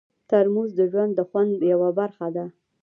ترموز د ژوند د خوند یوه برخه ده.